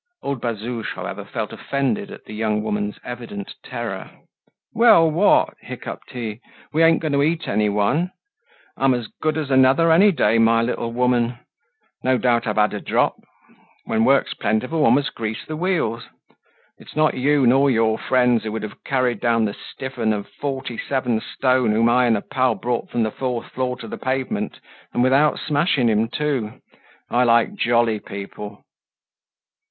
Old Bazouge, however, felt offended at the young woman's evident terror. "Well, what!" hiccoughed he, "we ain't going to eat any one. I'm as good as another any day, my little woman. No doubt I've had a drop! When work's plentiful one must grease the wheels. It's not you, nor your friends, who would have carried down the stiff 'un of forty seven stone whom I and a pal brought from the fourth floor to the pavement, and without smashing him too. I like jolly people."